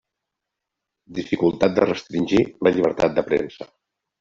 Dificultat de restringir la llibertat de premsa.